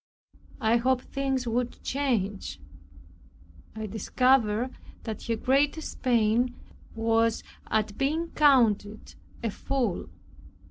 I hoped things would change. I discovered that her greatest pain was at being counted a fool.